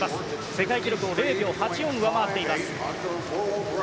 世界記録を０秒８４上回っています。